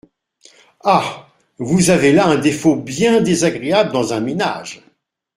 Ah ! vous avez là un défaut bien désagréable dans un ménage !